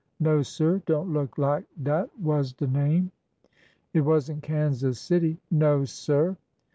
" No, sir. Don't look lak dat was de name." It was n't Kansas City ?"'' No, sir